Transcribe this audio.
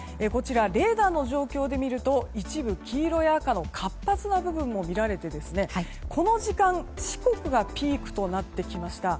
レーダーの状況でみると一部、黄色や赤の活発な部分も見られてこの時間、四国がピークとなってきました。